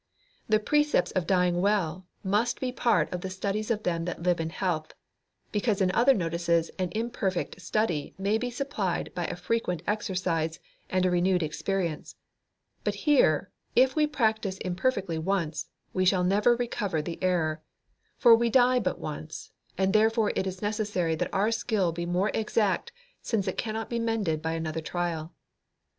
The precepts of dying well must be part of the studies of them that live in health, because in other notices an imperfect study may be supplied by a frequent exercise and a renewed experience; but here, if we practise imperfectly once, we shall never recover the error, for we die but once; and therefore it is necessary that our skill be more exact since it cannot be mended by another trial."